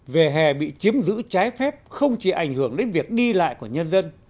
về hè bị chiếm giữ trái phép không chỉ ảnh hưởng đến việc đi lại của nhân dân